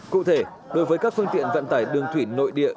cụ thể đối với các phương tiện vận tải đường thủy nội địa